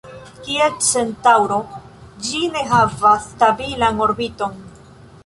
Kiel Centaŭro, ĝi ne havas stabilan orbiton.